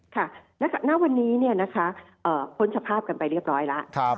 ค่ะณวันนี้พ้นสภาพกันไปเรียบร้อยแล้ว